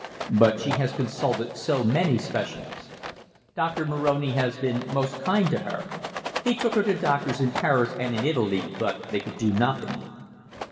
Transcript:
"But she has consulted so many specialists. Doctor Moroni has been most kind to her. He took her to doctors in Paris and in Italy, but they could do nothing."